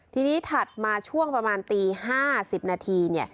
ทีนี้ถัดมาช่วงประมาณตี๕๐นาที